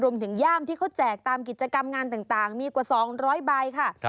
ย่ามที่เขาแจกตามกิจกรรมงานต่างมีกว่า๒๐๐ใบค่ะ